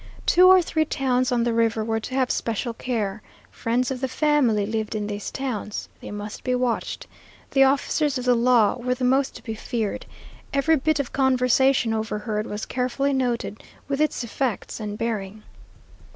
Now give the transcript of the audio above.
Two or three towns on the river were to have special care. Friends of the family lived in these towns. They must be watched. The officers of the law were the most to be feared. Every bit of conversation overheard was carefully noted, with its effects and bearing.